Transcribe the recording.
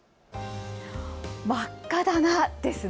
真っ赤だな、ですね。